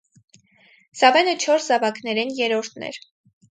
Զաւէնը չորս զաւակներէն երրորդն էր։